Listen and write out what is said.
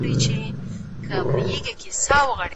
په ښه نوم ژوندی پاتې کیدل غوره دي.